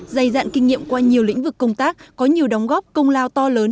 dày dạn kinh nghiệm qua nhiều lĩnh vực công tác có nhiều đóng góp công lao to lớn